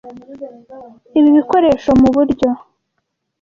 Ibi bikoresho muburyo.